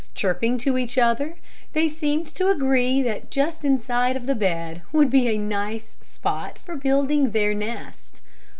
Chirruping to each other, they seemed to agree that just inside of the bed would be a nice spot for building their nest.